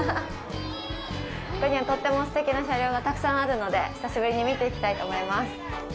ここには、とってもすてきな車両がたくさんあるので久しぶりに見ていきたいと思います。